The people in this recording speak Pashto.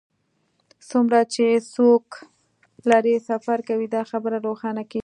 څومره چې څوک لرې سفر کوي دا خبره روښانه کیږي